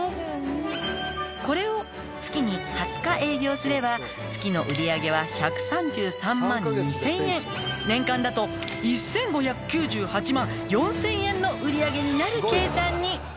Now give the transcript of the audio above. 「これを月に２０日営業すれば月の売り上げは１３３万２，０００円」「年間だと１，５９８万４，０００円の売り上げになる計算に」